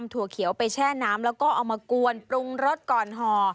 ถั่วเขียวไปแช่น้ำแล้วก็เอามากวนปรุงรสก่อนห่อ